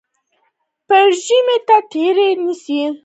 يږ ژمي ته تیاری نیسي.